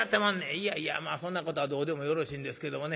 「いやいやまあそんなことはどうでもよろしいんですけどもね。